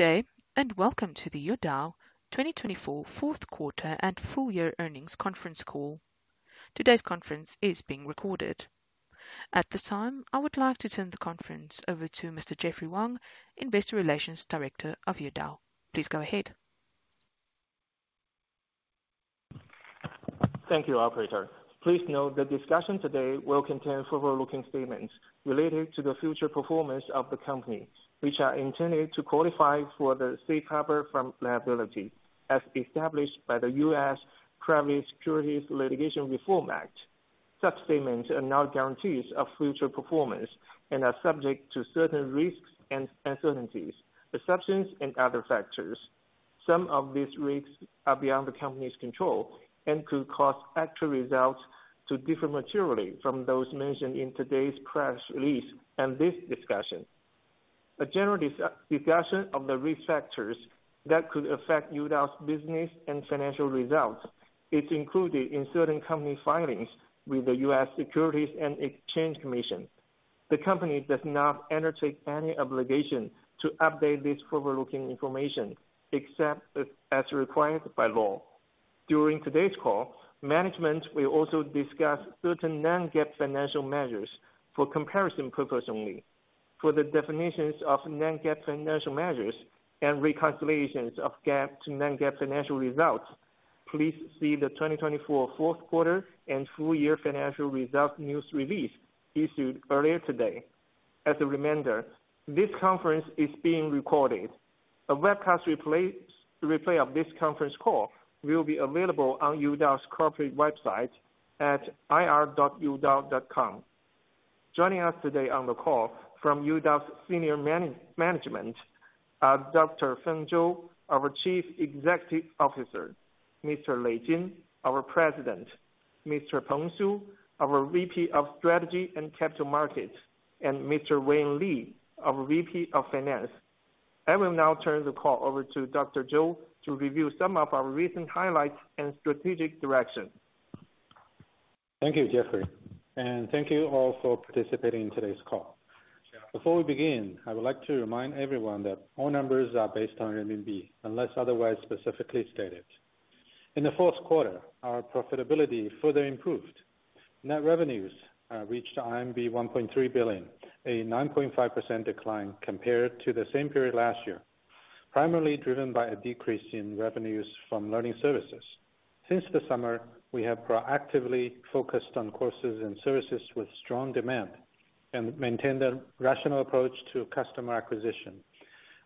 Good day, and welcome to the Youdao 2024 Fourth Quarter and Full Year Earnings Conference Call. Today's conference is being recorded. At this time, I would like to turn the conference over to Mr. Jeffrey Wang, Investor Relations Director of Youdao. Please go ahead. Thank you, Operator. Please note the discussion today will contain forward-looking statements related to the future performance of the company, which are intended to qualify for the safe harbor from liability, as established by the U.S. Private Securities Litigation Reform Act. Such statements are not guarantees of future performance and are subject to certain risks and uncertainties, exceptions, and other factors. Some of these risks are beyond the company's control and could cause actual results to differ materially from those mentioned in today's press release and this discussion. A general discussion of the risk factors that could affect Youdao's business and financial results is included in certain company filings with the U.S. Securities and Exchange Commission. The company does not undertake any obligation to update this forward-looking information except as required by law. During today's call, management will also discuss certain non-GAAP financial measures for comparison purposes only. For the definitions of non-GAAP financial measures and reconciliations of GAAP to non-GAAP financial results, please see the 2024 Fourth Quarter and Full Year Financial Results News Release issued earlier today. As a reminder, this conference is being recorded. A webcast replay of this conference call will be available on Youdao's corporate website at ir.youdao.com. Joining us today on the call from Youdao's senior management are Dr. Feng Zhou, our Chief Executive Officer, Mr. Lei Jin, our President, Mr. Peng Su, our VP of Strategy and Capital Markets, and Mr. Wayne Li, our VP of Finance. I will now turn the call over to Dr. Zhou to review some of our recent highlights and strategic direction. Thank you, Jeffrey. And thank you all for participating in today's call. Before we begin, I would like to remind everyone that all numbers are based on RMB, unless otherwise specifically stated. In the fourth quarter, our profitability further improved. Net revenues reached 1.3 billion, a 9.5% decline compared to the same period last year, primarily driven by a decrease in revenues from learning services. Since the summer, we have proactively focused on courses and services with strong demand and maintained a rational approach to customer acquisition.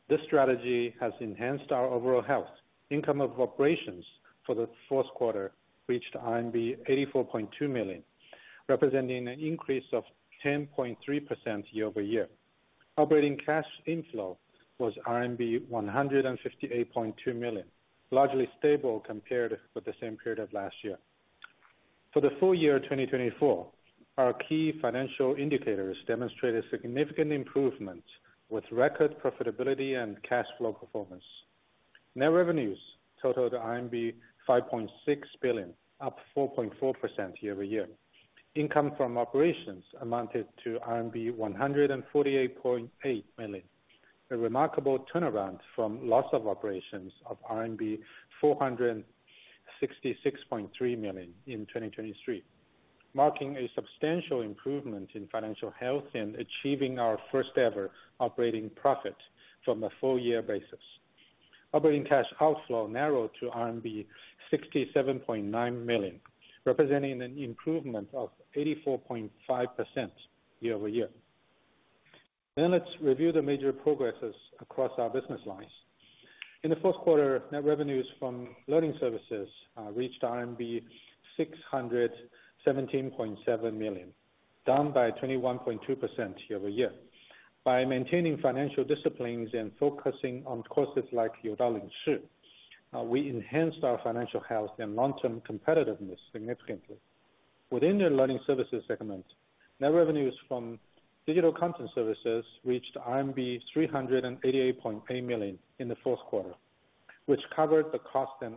This strategy has enhanced our overall health. Income of operations for the fourth quarter reached RMB 84.2 million, representing an increase of 10.3% year-over-year. Operating cash inflow was RMB 158.2 million, largely stable compared with the same period of last year. For the full year 2024, our key financial indicators demonstrated significant improvements with record profitability and cash flow performance. Net revenues totaled 5.6 billion, up 4.4% year-over-year. Income from operations amounted to RMB 148.8 million, a remarkable turnaround from loss of operations of RMB 466.3 million in 2023, marking a substantial improvement in financial health and achieving our first-ever operating profit from a full-year basis. Operating cash outflow narrowed to RMB 67.9 million, representing an improvement of 84.5% year-over-year. Then let's review the major progresses across our business lines. In the fourth quarter, net revenues from learning services reached RMB 617.7 million, down by 21.2% year-over-year. By maintaining financial disciplines and focusing on courses like Youdao Lingshi, we enhanced our financial health and long-term competitiveness significantly. Within the learning services segment, net revenues from digital content services reached RMB 388.8 million in the fourth quarter, which covered the cost and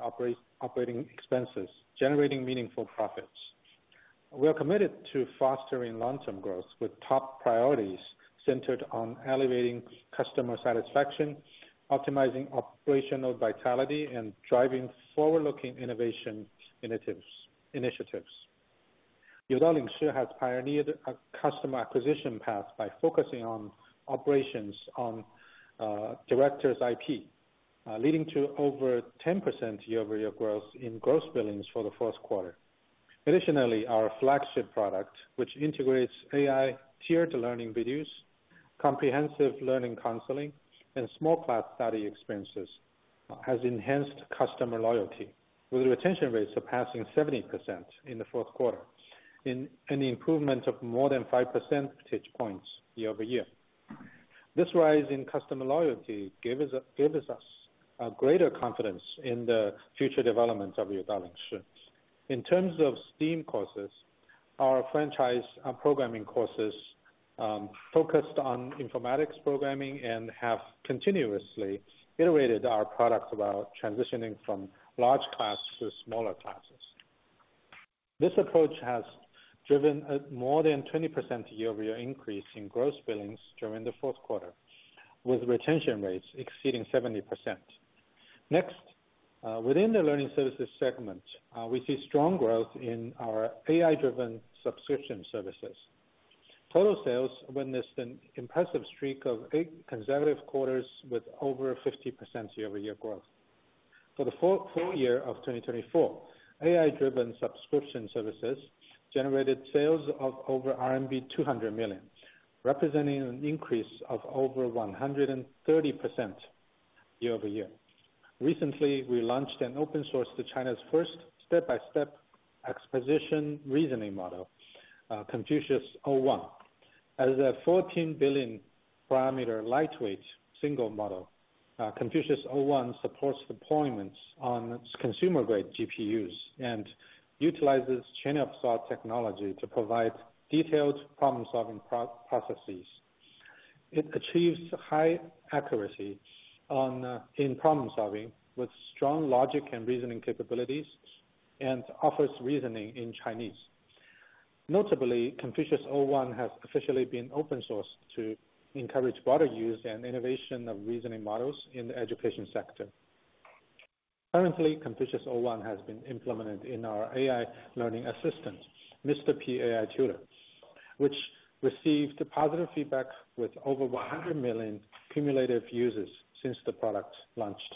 operating expenses, generating meaningful profits. We are committed to fostering long-term growth with top priorities centered on elevating customer satisfaction, optimizing operational vitality, and driving forward-looking innovation initiatives. Youdao Lingshi has pioneered a customer acquisition path by focusing on operations on Director's IP, leading to over 10% year-over-year growth in gross billings for the fourth quarter. Additionally, our flagship product, which integrates AI-tiered learning videos, comprehensive learning counseling, and small class study experiences, has enhanced customer loyalty, with retention rates surpassing 70% in the fourth quarter and an improvement of more than 5 percentage points year-over-year. This rise in customer loyalty gives us greater confidence in the future development of Youdao Lingshi. In terms of STEAM courses, our franchise programming courses focused on informatics programming and have continuously iterated our product while transitioning from large classes to smaller classes. This approach has driven a more than 20% year-over-year increase in gross billings during the fourth quarter, with retention rates exceeding 70%. Next, within the learning services segment, we see strong growth in our AI-driven subscription services. Total sales witnessed an impressive streak of eight consecutive quarters with over 50% year-over-year growth. For the full year of 2024, AI-driven subscription services generated sales of over RMB 200 million, representing an increase of over 130% year-over-year. Recently, we launched and open-sourced China's first step-by-step exposition reasoning model, Confucius-o1. As a 14B parameter lightweight single model, Confucius-o1 supports deployments on consumer-grade GPUs and utilizes chain-of-thought technology to provide detailed problem-solving processes. It achieves high accuracy in problem-solving with strong logic and reasoning capabilities and offers reasoning in Chinese. Notably, Confucius-o1 has officially been open-sourced to encourage broader use and innovation of reasoning models in the education sector. Currently, Confucius-o1 has been implemented in our AI learning assistant, Mr. P AI Tutor, which received positive feedback with over 100 million cumulative users since the product launched.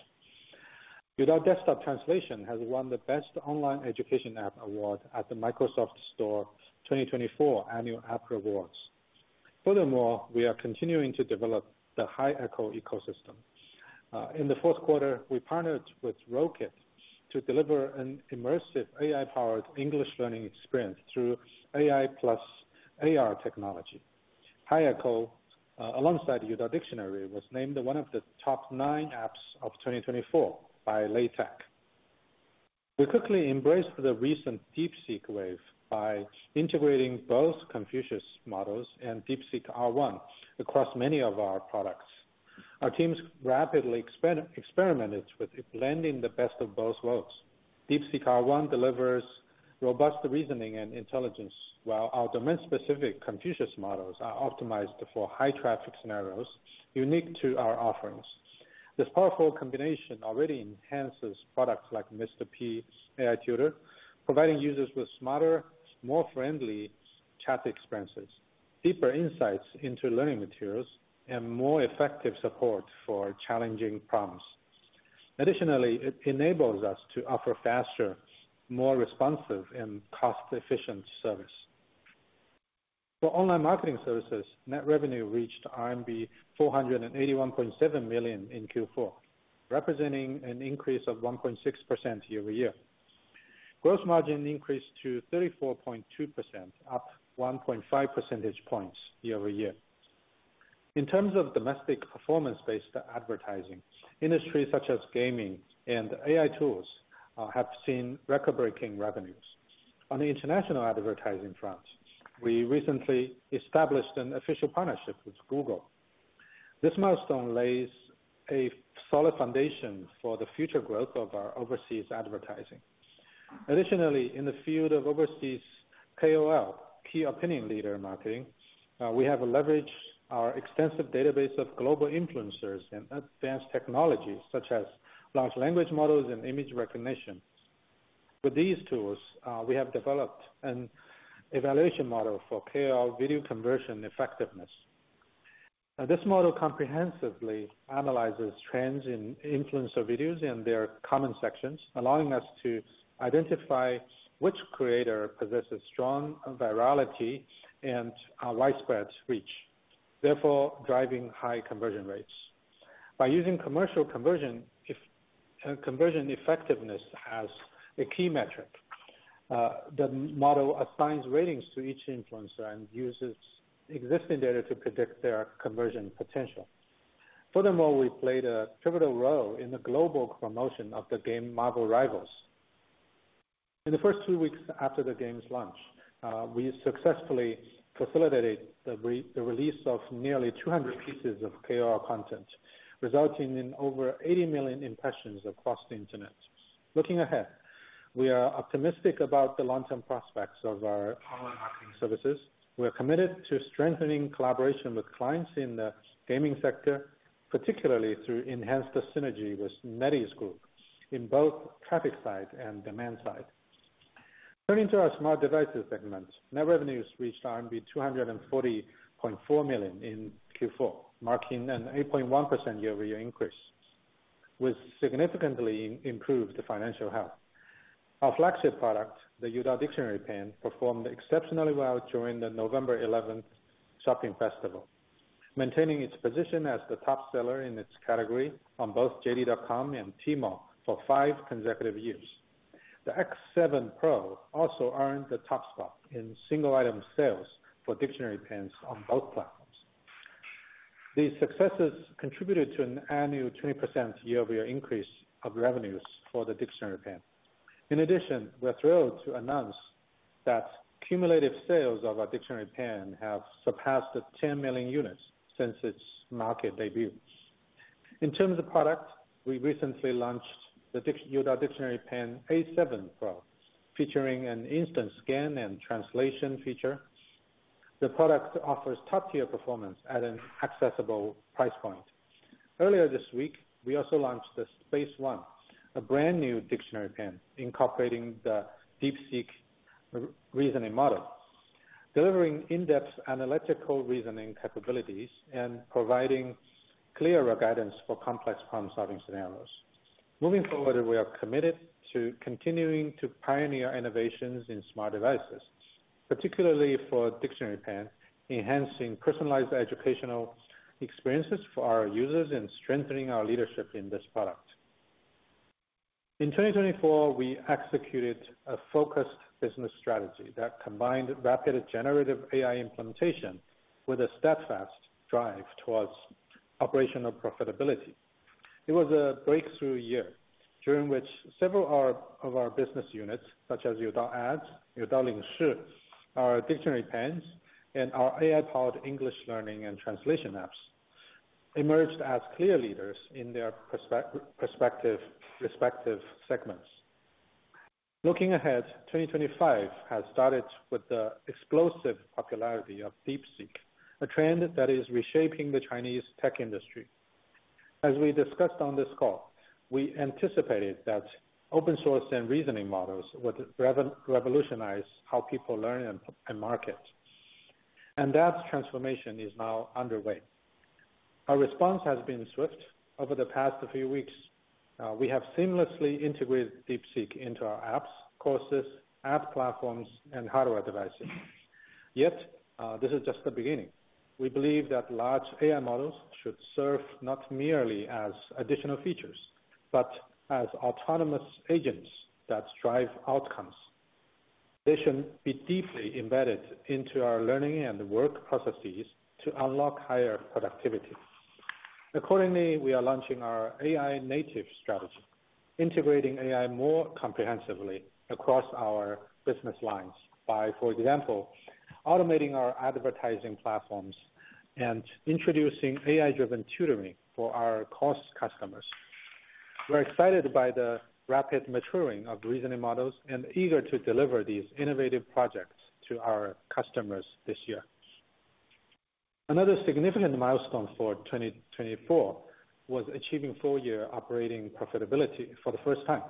Youdao Desktop Translation has won the Best Online Education App Award at the Microsoft Store 2024 Annual App Awards. Furthermore, we are continuing to develop the Hi Echo ecosystem. In the fourth quarter, we partnered with Rokid to deliver an immersive AI-powered English learning experience through AI plus AR technology. Hi Echo, alongside Youdao Dictionary, was named one of the top nine apps of 2024 by LeiTech. We quickly embraced the recent DeepSeek wave by integrating both Confucius models and DeepSeek-R1 across many of our products. Our teams rapidly experimented with blending the best of both worlds. DeepSeek-R1 delivers robust reasoning and intelligence, while our domain-specific Confucius models are optimized for high-traffic scenarios unique to our offerings. This powerful combination already enhances products like Mr. P AI Tutor, providing users with smarter, more friendly chat experiences, deeper insights into learning materials, and more effective support for challenging problems. Additionally, it enables us to offer faster, more responsive, and cost-efficient service. For online marketing services, net revenue reached RMB 481.7 million in Q4, representing an increase of 1.6% year-over-year. Gross margin increased to 34.2%, up 1.5 percentage points year-over-year. In terms of domestic performance-based advertising, industries such as gaming and AI tools have seen record-breaking revenues. On the international advertising front, we recently established an official partnership with Google. This milestone lays a solid foundation for the future growth of our overseas advertising. Additionally, in the field of overseas KOL (Key Opinion Leader) marketing, we have leveraged our extensive database of global influencers and advanced technologies such as large language models and image recognition. With these tools, we have developed an evaluation model for KOL video conversion effectiveness. This model comprehensively analyzes trends in influencer videos and their comment sections, allowing us to identify which creator possesses strong virality and widespread reach, therefore driving high conversion rates. By using commercial conversion effectiveness as a key metric, the model assigns ratings to each influencer and uses existing data to predict their conversion potential. Furthermore, we played a pivotal role in the global promotion of the game Marvel Rivals. In the first two weeks after the game's launch, we successfully facilitated the release of nearly 200 pieces of KOL content, resulting in over 80 million impressions across the internet. Looking ahead, we are optimistic about the long-term prospects of our online marketing services. We are committed to strengthening collaboration with clients in the gaming sector, particularly through enhanced synergy with NetEase Group in both traffic side and demand side. Turning to our smart devices segment, net revenues reached RMB 240.4 million in Q4, marking an 8.1% year-over-year increase, which significantly improved the financial health. Our flagship product, the Youdao Dictionary Pen, performed exceptionally well during the November 11th Shopping Festival, maintaining its position as the top seller in its category on both JD.com and Tmall for five consecutive years. The X7 Pro also earned the top spot in single-item sales for dictionary pens on both platforms. These successes contributed to an annual 20% year-over-year increase of revenues for the dictionary pen. In addition, we are thrilled to announce that cumulative sales of our dictionary pen have surpassed 10 million units since its market debut. In terms of product, we recently launched the Youdao Dictionary Pen A7 Pro, featuring an instant scan and translation feature. The product offers top-tier performance at an accessible price point. Earlier this week, we also launched the SpaceOne, a brand new dictionary pen incorporating the DeepSeek reasoning model, delivering in-depth analytical reasoning capabilities and providing clearer guidance for complex problem-solving scenarios. Moving forward, we are committed to continuing to pioneer innovations in smart devices, particularly for dictionary pen, enhancing personalized educational experiences for our users and strengthening our leadership in this product. In 2024, we executed a focused business strategy that combined rapid generative AI implementation with a steadfast drive towards operational profitability. It was a breakthrough year, during which several of our business units, such as Youdao Ads, Youdao Lingshi, our dictionary pens, and our AI-powered English learning and translation apps, emerged as clear leaders in their respective segments. Looking ahead, 2025 has started with the explosive popularity of DeepSeek, a trend that is reshaping the Chinese tech industry. As we discussed on this call, we anticipated that open-source and reasoning models would revolutionize how people learn and market, and that transformation is now underway. Our response has been swift. Over the past few weeks, we have seamlessly integrated DeepSeek into our apps, courses, app platforms, and hardware devices. Yet, this is just the beginning. We believe that large AI models should serve not merely as additional features, but as autonomous agents that drive outcomes. They should be deeply embedded into our learning and work processes to unlock higher productivity. Accordingly, we are launching our 'AI Native' strategy, integrating AI more comprehensively across our business lines by, for example, automating our advertising platforms and introducing AI-driven tutoring for our core customers. We're excited by the rapid maturing of reasoning models and eager to deliver these innovative projects to our customers this year. Another significant milestone for 2024 was achieving full-year operating profitability for the first time.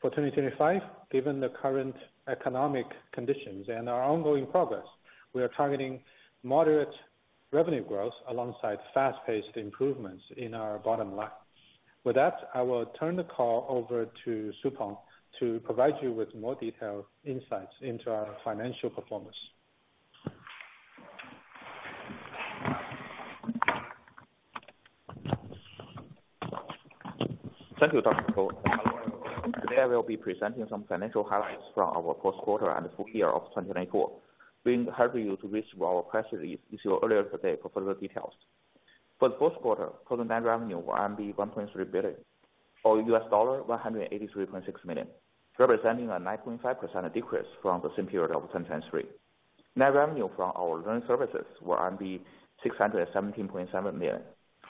For 2025, given the current economic conditions and our ongoing progress, we are targeting moderate revenue growth alongside fast-paced improvements in our bottom line. With that, I will turn the call over to Su Peng to provide you with more detailed insights into our financial performance. Thank you, Dr. Zhou. Today, I will be presenting some financial highlights from our fourth quarter and the full year of 2024. We encourage you to read our press release earlier today for further details. For the fourth quarter, total net revenue was 1.3 billion, or $183.6 million, representing a 9.5% decrease from the same period of 2023. Net revenue from our learning services was 617.7 million,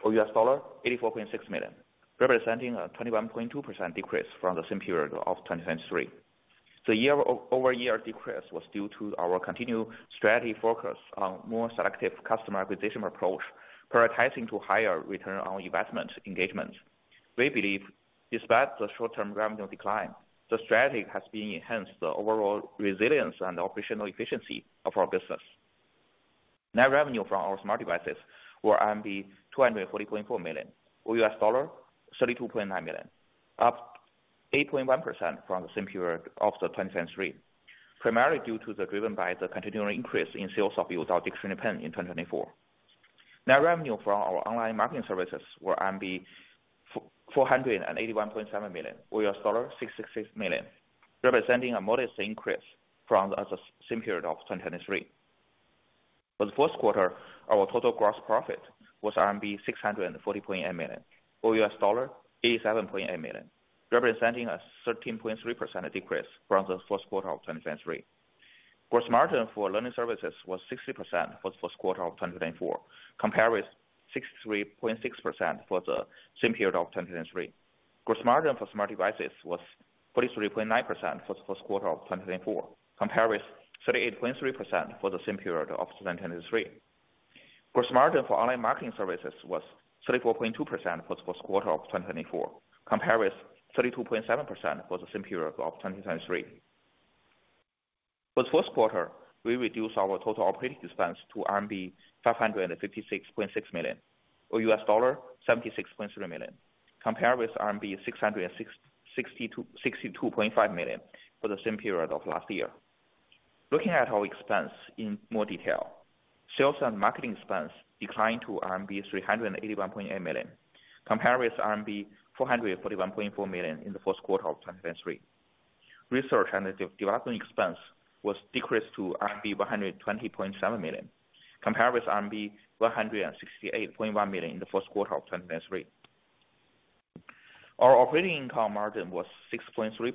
or $84.6 million, representing a 21.2% decrease from the same period of 2023. The year-over-year decrease was due to our continued strategy focus on a more selective customer acquisition approach, prioritizing higher return on investment engagement. We believe, despite the short-term revenue decline, the strategy has enhanced the overall resilience and operational efficiency of our business. Net revenue from our smart devices was 240.4 million, or $32.9 million, up 8.1% from the same period of 2023, primarily driven by the continuing increase in sales of Youdao Dictionary Pen in 2024. Net revenue from our online marketing services was RMB 481.7 million, or $66 million, representing a modest increase from the same period of 2023. For the fourth quarter, our total gross profit was RMB 640.8 million, or $87.8 million, representing a 13.3% decrease from the fourth quarter of 2023. Gross margin for learning services was 60% for the fourth quarter of 2024, compared with 63.6% for the same period of 2023. Gross margin for smart devices was 43.9% for the fourth quarter of 2024, compared with 38.3% for the same period of 2023. Gross margin for online marketing services was 34.2% for the fourth quarter of 2024, compared with 32.7% for the same period of 2023. For the fourth quarter, we reduced our total operating expense to RMB 556.6 million, or $76.3 million, compared with RMB 662.5 million for the same period of last year. Looking at our expense in more detail, sales and marketing expense declined to RMB 381.8 million, compared with RMB 441.4 million in the fourth quarter of 2023. Research and development expense was decreased to RMB 120.7 million, compared with RMB 168.1 million in the fourth quarter of 2023. Our operating income margin was 6.3%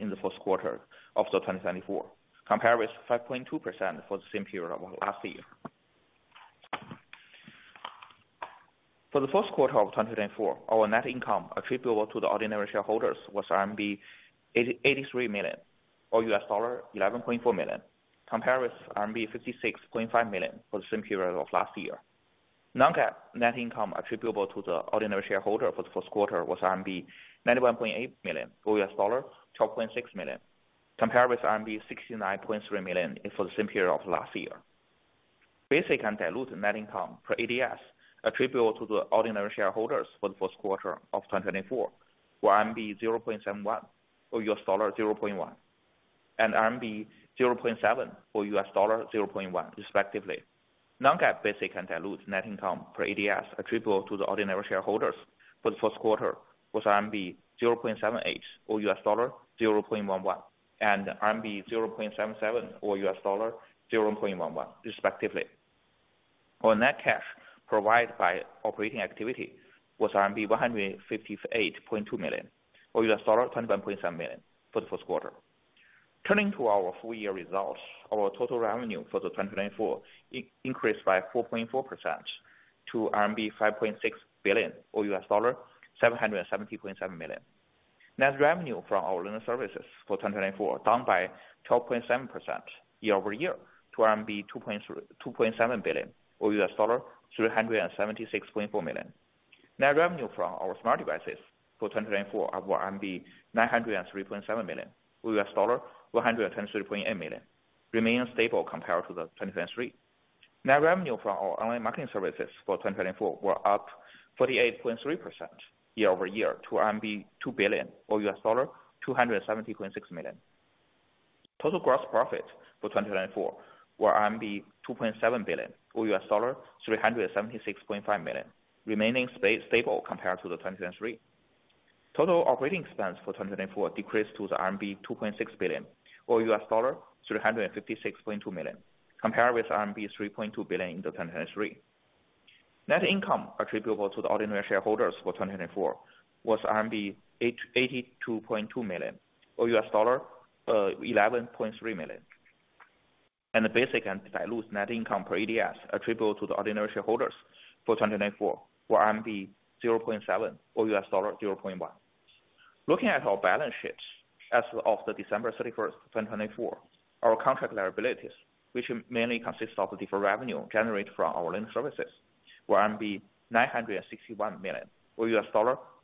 in the fourth quarter of 2024, compared with 5.2% for the same period of last year. For the fourth quarter of 2024, our net income attributable to the ordinary shareholders was RMB 83 million, or $11.4 million, compared with RMB 56.5 million for the same period of last year. Non-GAAP net income attributable to the ordinary shareholder for the fourth quarter was RMB 91.8 million, or $12.6 million, compared with RMB 69.3 million for the same period of last year. Basic and diluted net income per ADS attributable to the ordinary shareholders for the fourth quarter of 2024 were RMB 0.71, or $0.1, 2024 were RMB 0.7, or $0.1. Looking at our balance sheets as of December 31st, 2024, our contract liabilities, which mainly consist of the deferred revenue generated from our learning services, were 961 million, or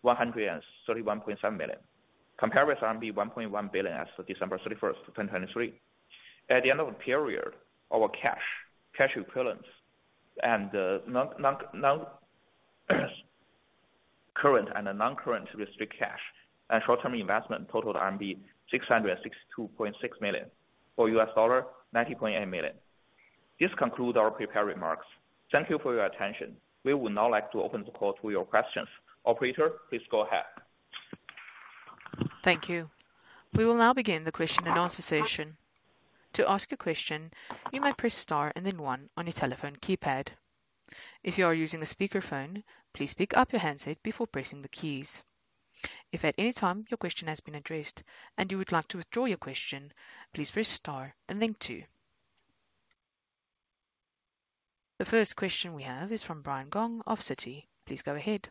$131.7 million, compared with RMB 1.1 billion as of December 31st, 2023. At the end of the period, our cash equivalents and the current and non-current restricted cash and short-term investments totaled RMB 662.6 million, or $90.8 million. This concludes our prepared remarks. Thank you for your attention. We would now like to open the call to your questions. Operator, please go ahead. Thank you. We will now begin the question-and-answer session. To ask a question, you may press star and then one on your telephone keypad. If you are using a speakerphone, please pick up your handset before pressing the keys. If at any time your question has been addressed and you would like to withdraw your question, please press star and then two. The first question we have is from Brian Gong of Citi. Please go ahead.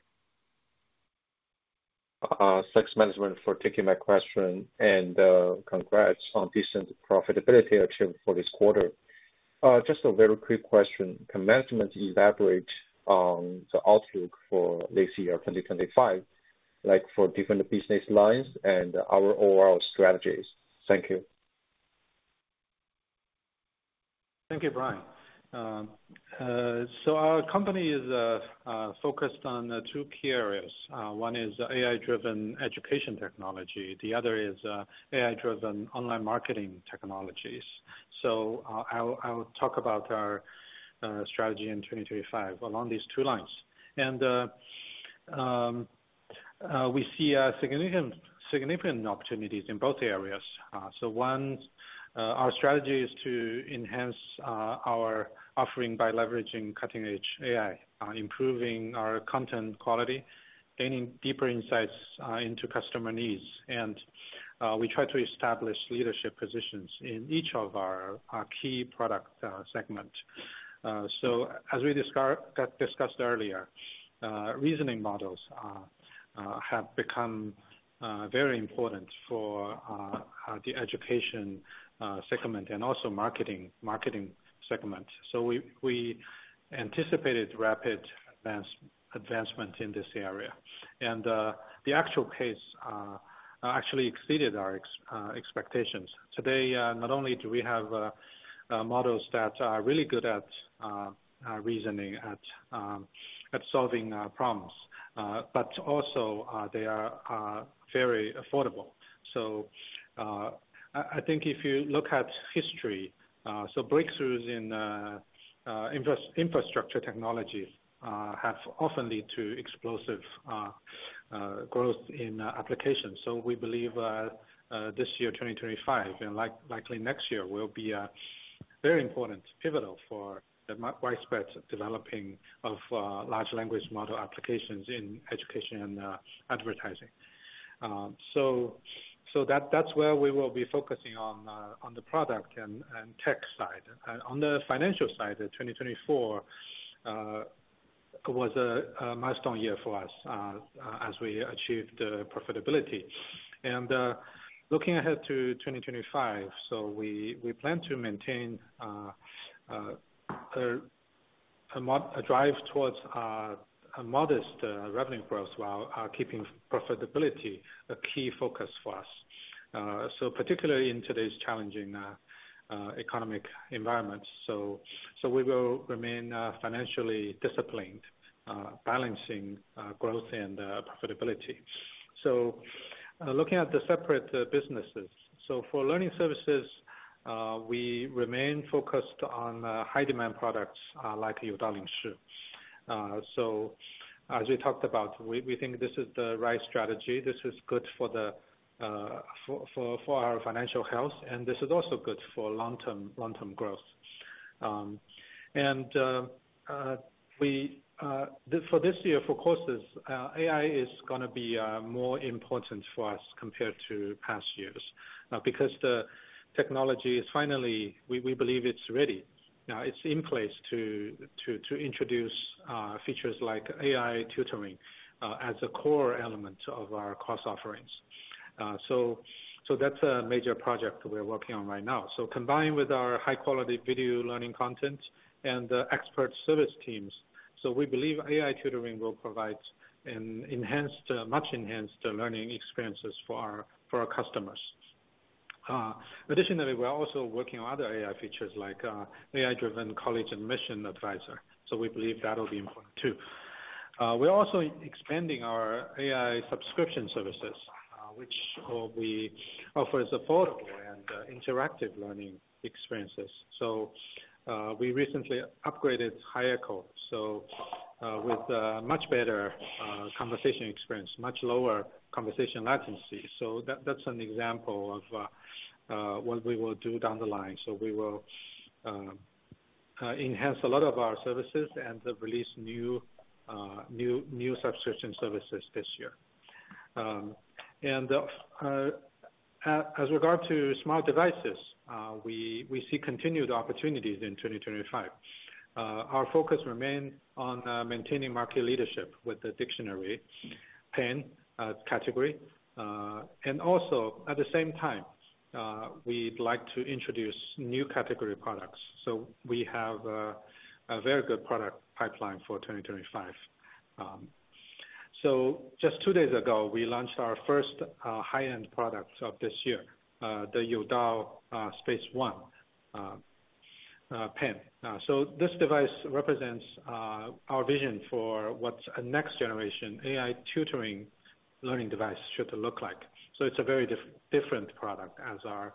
Thanks, Management, for taking my question and congrats on decent profitability achieved for this quarter. Just a very quick question. Can Management elaborate on the outlook for this year, 2025, for different business lines and our overall strategies? Thank you. Thank you, Brian. So our company is focused on two key areas. One is AI-driven education technology. The other is AI-driven online marketing technologies. So I'll talk about our strategy in 2025 along these two lines. And we see significant opportunities in both areas. So one, our strategy is to enhance our offering by leveraging cutting-edge AI, improving our content quality, gaining deeper insights into customer needs. We try to establish leadership positions in each of our key product segments. As we discussed earlier, reasoning models have become very important for the education segment and also marketing segment. We anticipated rapid advancement in this area. The actual pace actually exceeded our expectations. Today, not only do we have models that are really good at reasoning, at solving problems, but also they are very affordable. I think if you look at history, breakthroughs in infrastructure technology have often led to explosive growth in applications. We believe this year, 2025, and likely next year will be very important, pivotal for the widespread developing of large language model applications in education and advertising. That's where we will be focusing on the product and tech side. On the financial side, 2024 was a milestone year for us as we achieved profitability. Looking ahead to 2025, we plan to maintain a drive toward modest revenue growth while keeping profitability a key focus for us, particularly in today's challenging economic environment. We will remain financially disciplined, balancing growth and profitability. Looking at the separate businesses, for learning services, we remain focused on high-demand products like Youdao Lingshi. As we talked about, we think this is the right strategy. This is good for our financial health, and this is also good for long-term growth. For this year, for courses, AI is going to be more important for us compared to past years because the technology is finally, we believe, it's ready. It's in place to introduce features like AI tutoring as a core element of our course offerings. That's a major project we're working on right now. Combined with our high-quality video learning content and the expert service teams, we believe AI tutoring will provide much-enhanced learning experiences for our customers. Additionally, we're also working on other AI features like AI-driven college admission adviser. We believe that will be important too. We're also expanding our AI subscription services, which will be offering affordable and interactive learning experiences. We recently upgraded Hi Echo with a much better conversation experience, much lower conversation latency. That's an example of what we will do down the line. We will enhance a lot of our services and release new subscription services this year. As regards to smart devices, we see continued opportunities in 2025. Our focus remains on maintaining market leadership with the dictionary pen category. Also, at the same time, we'd like to introduce new category products. We have a very good product pipeline for 2025. Just two days ago, we launched our first high-end product of this year, the Youdao SpaceOne pen. This device represents our vision for what a next-generation AI tutoring learning device should look like. It's a very different product as our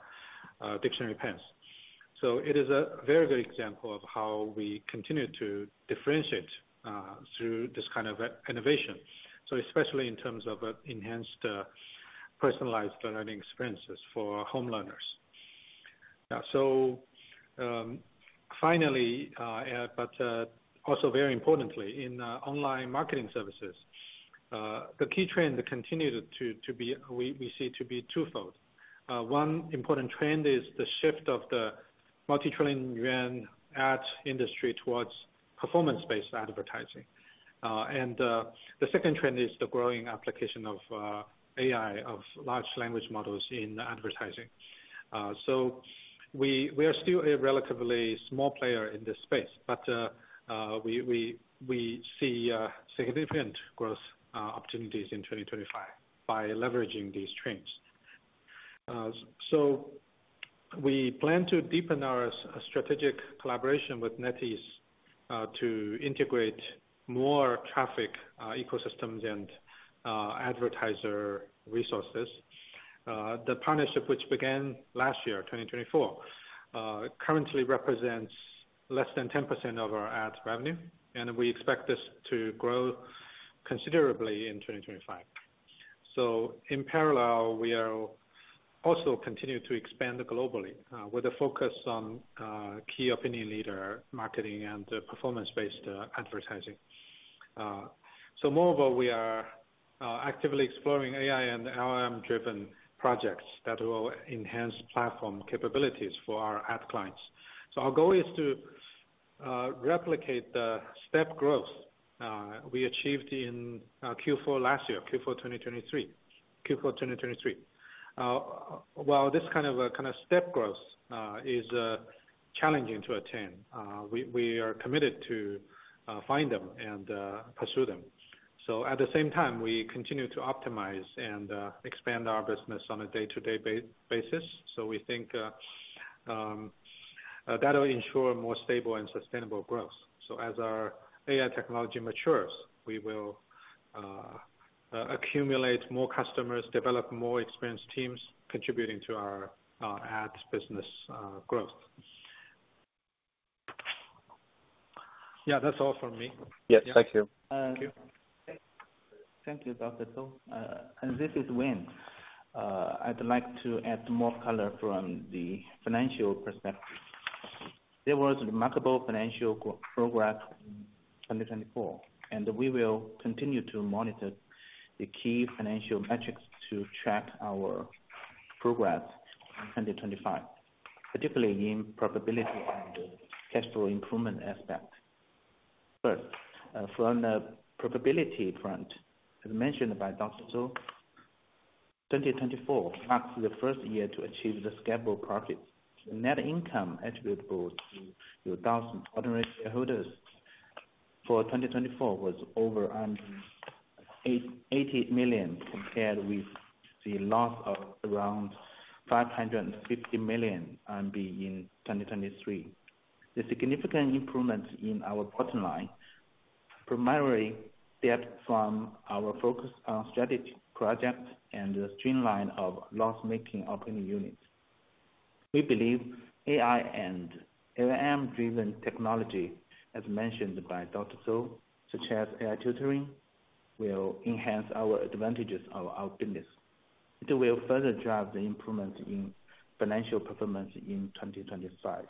dictionary pens. It is a very good example of how we continue to differentiate through this kind of innovation, so especially in terms of enhanced personalized learning experiences for home learners. Finally, but also very importantly, in online marketing services, the key trend continues to be we see to be twofold. One important trend is the shift of the multi-trillion yuan ad industry towards performance-based advertising. And the second trend is the growing application of AI, of large language models in advertising. So we are still a relatively small player in this space, but we see significant growth opportunities in 2025 by leveraging these trends. So we plan to deepen our strategic collaboration with NetEase to integrate more traffic ecosystems and advertiser resources. The partnership, which began last year, 2024, currently represents less than 10% of our ad revenue, and we expect this to grow considerably in 2025. So in parallel, we are also continuing to expand globally with a focus on key opinion leader marketing and performance-based advertising. So moreover, we are actively exploring AI and LLM-driven projects that will enhance platform capabilities for our ad clients. So our goal is to replicate the step growth we achieved in Q4 last year, Q4 2023. While this kind of step growth is challenging to attain, we are committed to finding them and pursuing them. So at the same time, we continue to optimize and expand our business on a day-to-day basis. So we think that will ensure more stable and sustainable growth. So as our AI technology matures, we will accumulate more customers, develop more experienced teams contributing to our ad business growth. Yeah, that's all from me. Yes, thank you. Thank you. Thank you, Dr. Zhou. And this is Wayne. I'd like to add more color from the financial perspective. There was a remarkable financial progress in 2024, and we will continue to monitor the key financial metrics to track our progress in 2025, particularly in profitability and cash flow improvement aspect. First, from the profitability front, as mentioned by Dr. Zhou, 2024 marks the first year to achieve the scalable profits. Net income attributable to Youdao's ordinary shareholders for 2024 was over 80 million compared with the loss of around 550 million in 2023. The significant improvements in our bottom line primarily stem from our focus on strategic projects and the streamlining of loss-making operating units. We believe AI and LLM-driven technology, as mentioned by Dr. Zhou, such as AI tutoring, will enhance our advantages of our business. It will further drive the improvements in financial performance in 2025.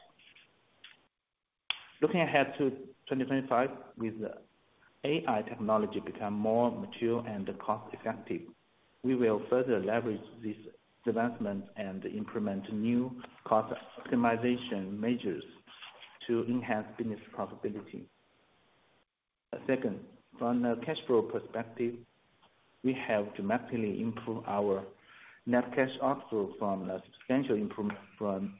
Looking ahead to 2025, with AI technology becoming more mature and cost-effective, we will further leverage these advancements and implement new cost optimization measures to enhance business profitability. Second, from the cash flow perspective, we have dramatically improved our net cash outflow from a substantial improvement from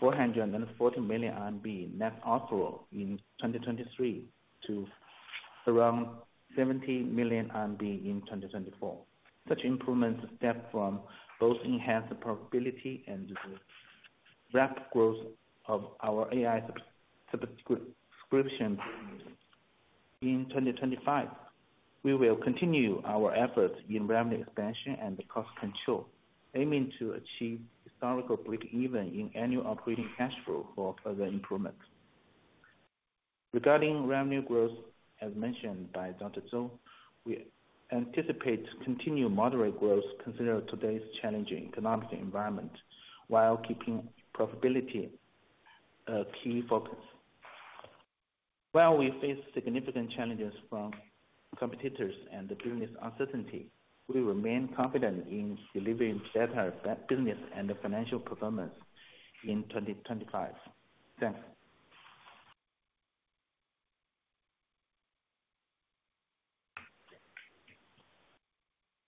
440 million RMB net outflow in 2023 to around 70 million RMB in 2024. Such improvements stem from both enhanced profitability and the rapid growth of our AI subscription business. In 2025, we will continue our efforts in revenue expansion and cost control, aiming to achieve historical break-even in annual operating cash flow for further improvements. Regarding revenue growth, as mentioned by Dr. Zhou, we anticipate continued moderate growth considering today's challenging economic environment while keeping profitability a key focus. While we face significant challenges from competitors and business uncertainty, we remain confident in delivering better business and financial performance in 2025. Thanks.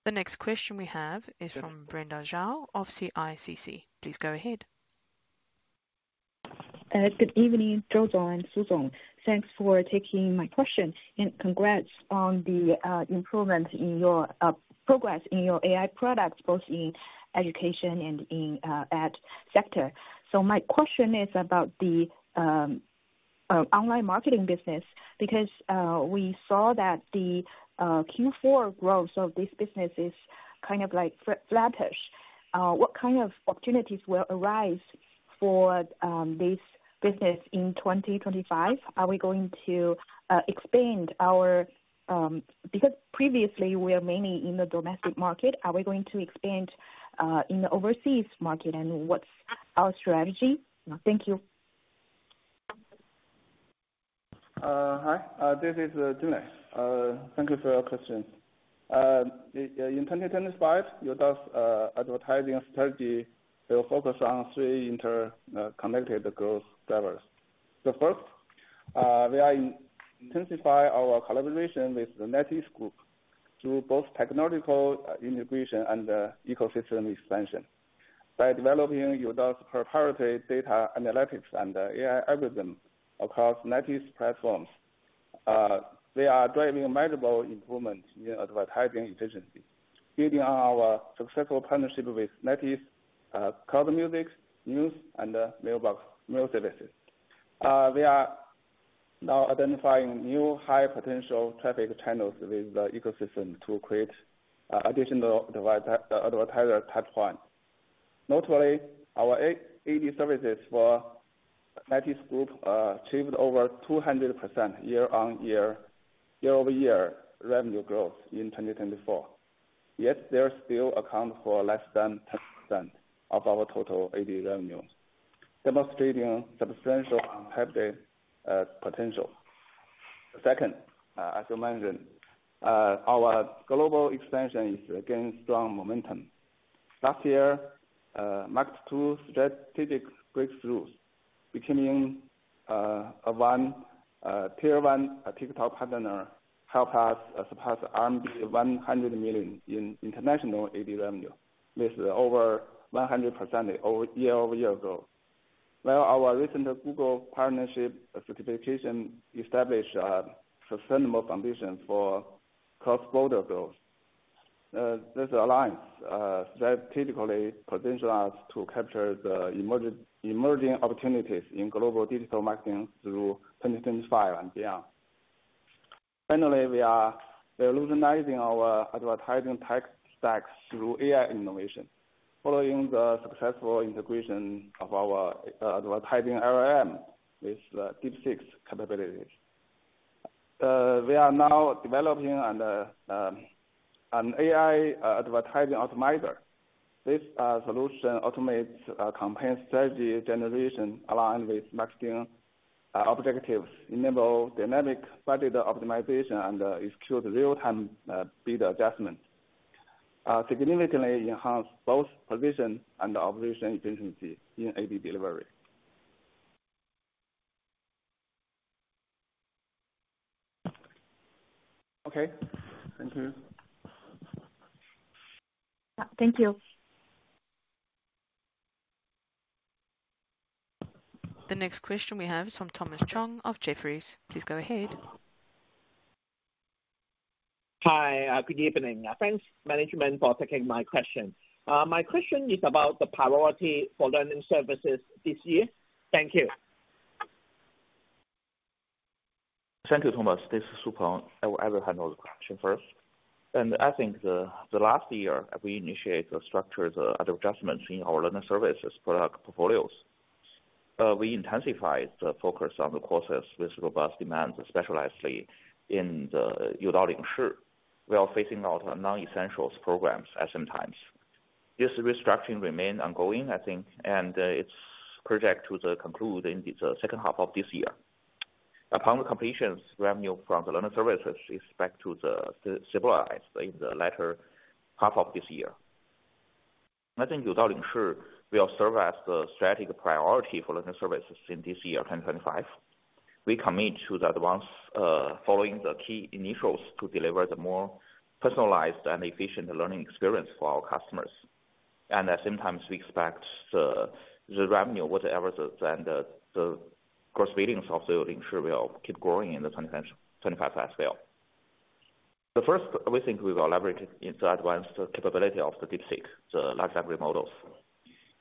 The next question we have is from Brenda Zhao of CICC. Please go ahead. Good evening, Zhou Feng and Su Peng. Thanks for taking my question and congrats on the improvement in your progress in your AI products, both in education and in the ad sector. So my question is about the online marketing business because we saw that the Q4 growth of this business is kind of like flattish. What kind of opportunities will arise for this business in 2025? Are we going to expand our because previously, we are mainly in the domestic market. Are we going to expand in the overseas market? And what's our strategy? Thank you. Hi, this is Jin Lei. Thank you for your question. In 2025, Youdao's advertising strategy will focus on three interconnected growth drivers. So first, we are intensifying our collaboration with the NetEase Group through both technological integration and ecosystem expansion. By developing Youdao's proprietary data analytics and AI algorithms across NetEase platforms, they are driving measurable improvements in advertising efficiency, building on our successful partnership with NetEase Cloud Music, NetEase News, and NetEase Mailbox mail services. We are now identifying new high-potential traffic channels with the ecosystem to create additional advertiser pipeline. Notably, our ad services for NetEase Group achieved over 200% year-over-year revenue growth in 2024. Yet, they still account for less than 10% of our total ad revenue, demonstrating substantial untapped potential. Second, as you mentioned, our global expansion is gaining strong momentum. Last year marked two strategic breakthroughs becoming a tier-one TikTok partner, helping us surpass RMB 100 million in international ad revenue. This is over 100% year-over-year growth. While our recent Google partnership certification established a sustainable foundation for cross-border growth, this alliance strategically positioned us to capture the emerging opportunities in global digital marketing through 2025 and beyond. Finally, we are revolutionizing our advertising tech stack through AI innovation, following the successful integration of our advertising LLM with DeepSeek's capabilities. We are now developing an AI advertising optimizer. This solution automates campaign strategy generation aligned with marketing objectives, enables dynamic budget optimization, and executes real-time bid adjustments, significantly enhancing both provision and operation efficiency in AD delivery. Okay, thank you. Thank you. The next question we have is from Thomas Chong of Jefferies. Please go ahead. Hi, good evening. Thanks, Management, for taking my question. My question is about the priority for learning services this year. Thank you. Thank you, Thomas. This is Su Peng. I will handle the question first. And I think the last year, we initiated structured advertisements in our learning services product portfolios. We intensified the focus on the courses with robust demands, especially in the Youdao Lingshi. We are phasing out non-essential programs at some times. This restructuring remains ongoing, I think, and it's projected to conclude in the second half of this year. Upon completion, revenue from the learning services is expected to stabilize in the latter half of this year. I think Youdao Lingshi will serve as the strategic priority for learning services in this year, 2025. We commit to the advancement following the key initiatives to deliver the more personalized and efficient learning experience for our customers. And at the same time, we expect the revenue, whatever the gross billings of the Lingshi, will keep growing in 2025 as well. First, we think we will leverage the advanced capability of the DeepSeek, the large language models.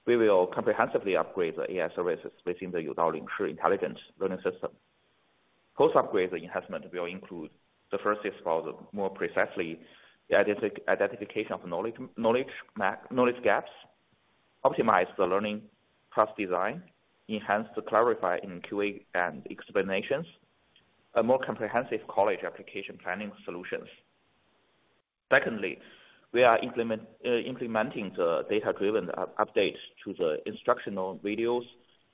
We will comprehensively upgrade the AI services within the Youdao Lingshi Intelligence Learning System. Post-upgrade, the enhancement will include the first is for the more precise the identification of knowledge gaps, optimize the learning class design, enhance the clarity in QA and explanations, and more comprehensive college application planning solutions. Secondly, we are implementing the data-driven updates to the instructional videos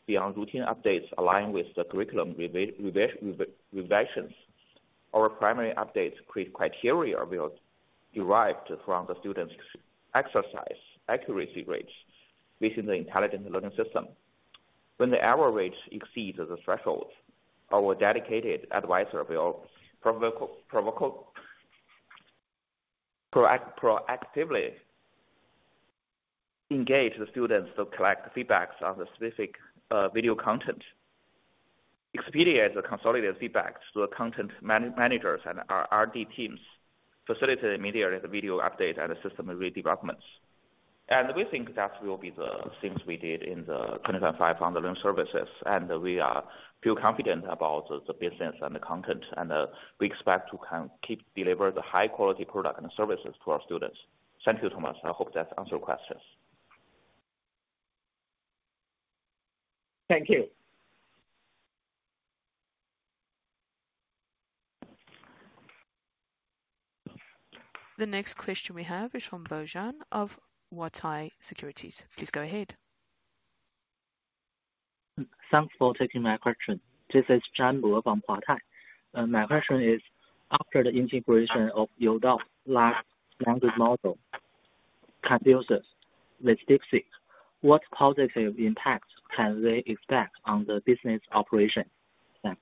beyond routine updates aligned with the curriculum revisions. Our primary updates create criteria derived from the students' exercise accuracy rates within the intelligent learning system. When the error rate exceeds the threshold, our dedicated advisor will proactively engage the students to collect feedback on the specific video content, expedite the consolidated feedback to the content managers and our R&D teams, facilitate immediate video updates and system redevelopments. And we think that will be the things we did in 2025 on the learning services. And we feel confident about the business and the content. And we expect to keep delivering the high-quality product and services to our students. Thank you, Thomas. I hope that answers your questions. Thank you. The next question we have is from Bo Zhang of Huatai Securities. Please go ahead. Thanks for taking my question. This is Zhang Bo from Huatai. My question is, after the integration of Youdao language model Confucius with DeepSeek, what positive impact can they expect on the business operation? Thanks.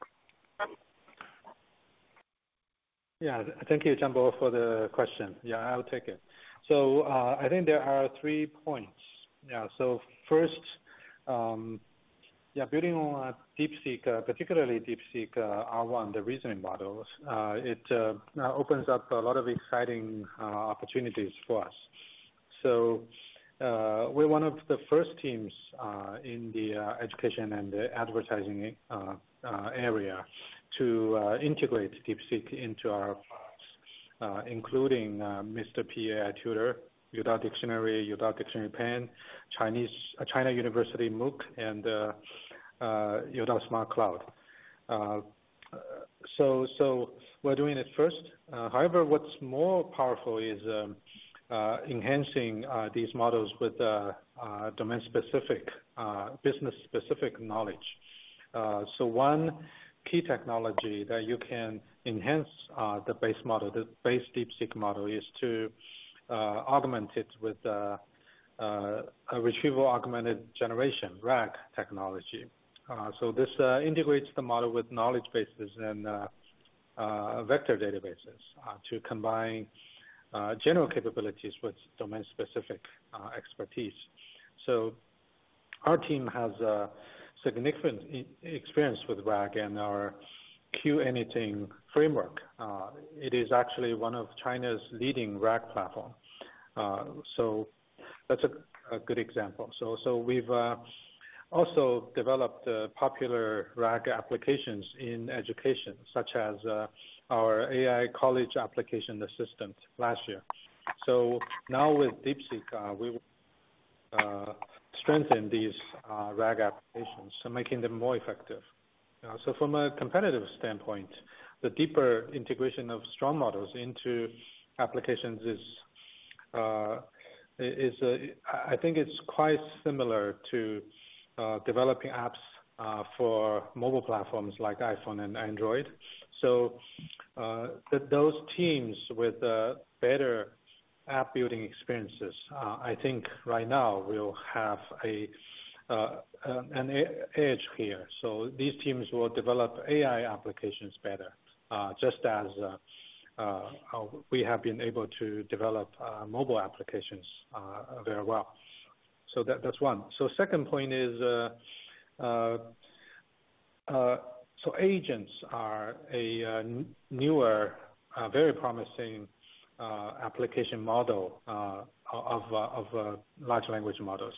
Yeah, thank you, Zhang Luo, for the question. Yeah, I'll take it. So I think there are three points. Yeah, so first, yeah, building on DeepSeek, particularly DeepSeek-R1, the reasoning models, it opens up a lot of exciting opportunities for us. So we're one of the first teams in the education and advertising area to integrate DeepSeek into our products, including Mr. P AI Tutor, Youdao Dictionary, Youdao Dictionary Pen, China University MOOC, and Youdao Smart Cloud. So we're doing it first. However, what's more powerful is enhancing these models with domain-specific, business-specific knowledge. So one key technology that you can enhance the base model, the base DeepSeek model, is to augment it with a retrieval augmented generation (RAG) technology. This integrates the model with knowledge bases and vector databases to combine general capabilities with domain-specific expertise. So our team has significant experience with RAG and our QAnything framework. It is actually one of China's leading RAG platforms. So that's a good example. So we've also developed popular RAG applications in education, such as our AI college application assistant last year. So now with DeepSeek, we will strengthen these RAG applications, making them more effective. So from a competitive standpoint, the deeper integration of strong models into applications is, I think it's quite similar to developing apps for mobile platforms like iPhone and Android. So those teams with better app-building experiences, I think right now will have an edge here. So these teams will develop AI applications better, just as we have been able to develop mobile applications very well. So that's one. Second point is, agents are a newer, very promising application model of large language models.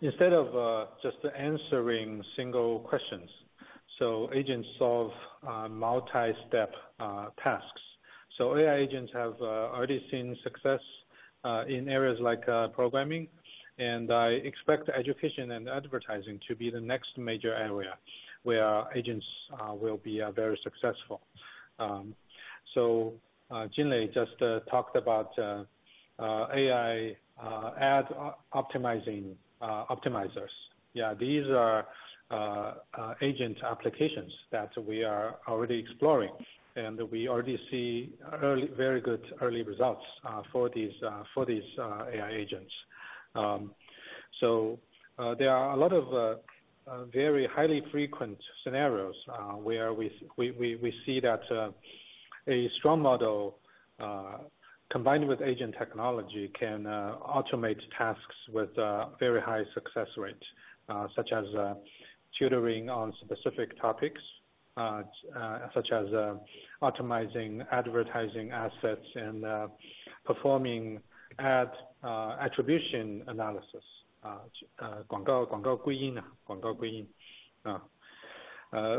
Instead of just answering single questions, agents solve multi-step tasks. AI agents have already seen success in areas like programming. I expect education and advertising to be the next major area where agents will be very successful. Jin Lei just talked about AI ad optimizers. Yeah, these are agent applications that we are already exploring. We already see very good early results for these AI agents. There are a lot of very highly frequent scenarios where we see that a strong model combined with agent technology can automate tasks with very high success rates, such as tutoring on specific topics, such as optimizing advertising assets and performing ad attribution analysis.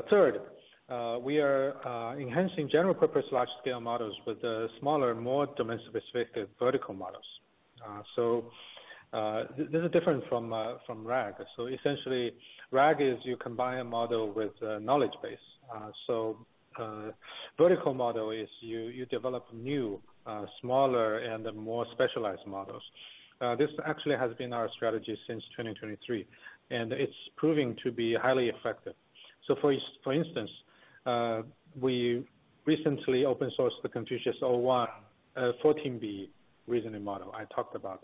Third, we are enhancing general-purpose large-scale models with smaller, more domain-specific vertical models. This is different from RAG. Essentially, RAG is you combine a model with a knowledge base. Vertical model is you develop new, smaller, and more specialized models. This actually has been our strategy since 2023. And it's proving to be highly effective. For instance, we recently open-sourced the Confucius-o1 14B reasoning model I talked about.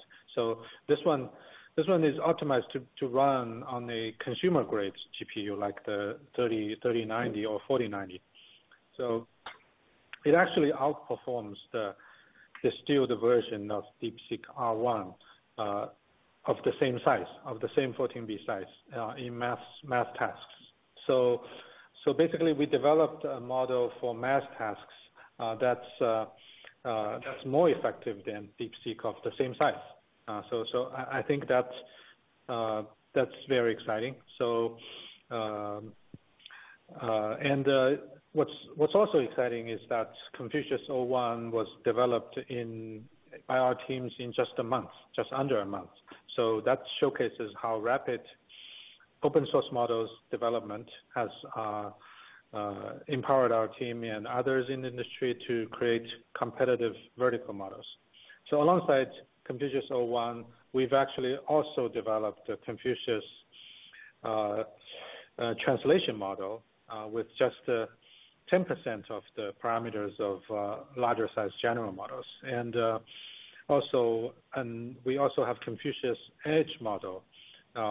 This one is optimized to run on a consumer-grade GPU like the 3090 or 4090. It actually outperforms the distilled version of DeepSeek-R1 of the same size, of the same 14B size in math tasks. Basically, we developed a model for math tasks that's more effective than DeepSeek of the same size. I think that's very exciting. And what's also exciting is that Confucius-o1 was developed by our teams in just a month, just under a month. So that showcases how rapid open-source models' development has empowered our team and others in the industry to create competitive vertical models. So alongside Confucius-o1, we've actually also developed the Confucius translation model with just 10% of the parameters of larger-sized general models. And we also have Confucius edge model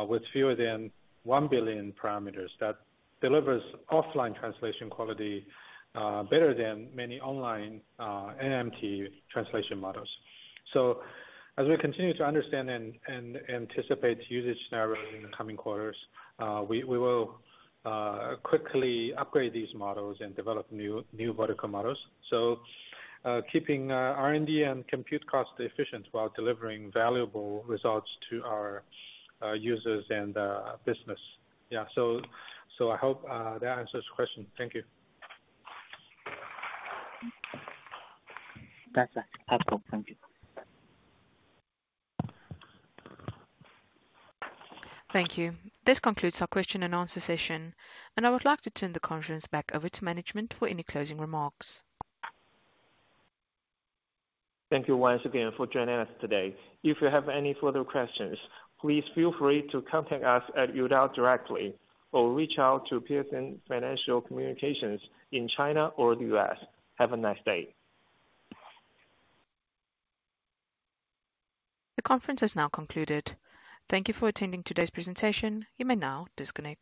with fewer than one billion parameters that delivers offline translation quality better than many online NMT translation models. So as we continue to understand and anticipate usage scenarios in the coming quarters, we will quickly upgrade these models and develop new vertical models. So keeping R&D and compute costs efficient while delivering valuable results to our users and business. Yeah, so I hope that answers your question. Thank you. Perfect. Thank you. Thank you. This concludes our question-and-answer session. And I would like to turn the conference back over to Management for any closing remarks. Thank you once again for joining us today. If you have any further questions, please feel free to contact us at Youdao directly or reach out to The Piacente Financial Communications in China or the U.S. Have a nice day. The conference has now concluded. Thank you for attending today's presentation. You may now disconnect.